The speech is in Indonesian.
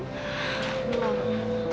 nggak sebentar lagi